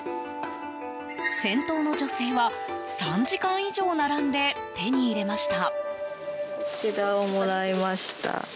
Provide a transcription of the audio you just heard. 先頭の女性は３時間以上並んで手に入れました。